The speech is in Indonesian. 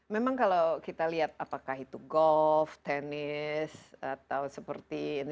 memang kalau kita lihat apakah itu golf tenis atau seperti ini